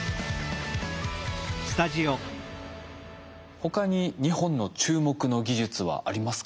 他に日本の注目の技術はありますか？